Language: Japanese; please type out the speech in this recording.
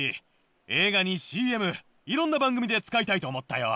映画にＣＭいろんな番組で使いたいと思ったよ。